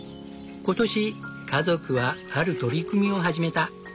今年家族はある取り組みを始めた。